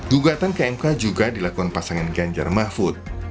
gugatan ke mk juga dilakukan pasangan ganjar mahfud